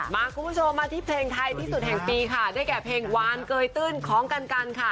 คุณผู้ชมมาที่เพลงไทยที่สุดแห่งปีค่ะได้แก่เพลงวานเกยตื้นของกันกันค่ะ